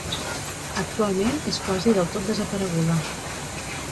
Actualment és quasi del tot desapareguda.